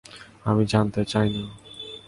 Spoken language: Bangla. আমি জানতে চাই না।